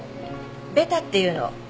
ベタっていうの。